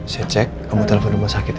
saya cek kamu telepon rumah sakit ya